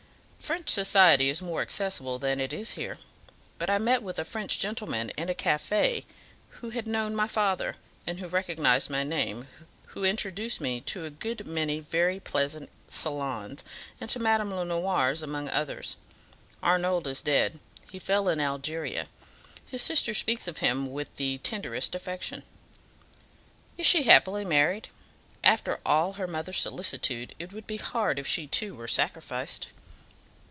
"French society is more accessible than it is here; but I met with a French gentleman in a CAFE who had known my father, and who recognized my name, who introduced me to a good many very pleasant salons, and to Madame Lenoir's among others. Arnauld is dead; he fell in Algeria. His sister speaks of him with the tenderest affection." "Is she happily married? After all her mother's solicitude, it would be hard if she too were sacrificed."